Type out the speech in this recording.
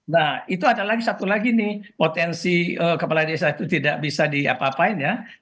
nah itu ada lagi satu lagi nih potensi kepala desa itu tidak bisa diapa apain ya